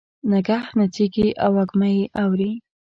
نګهت نڅیږې او وږمه یې اوري